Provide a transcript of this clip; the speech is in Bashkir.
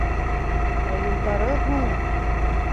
Ә юлдары һуң?!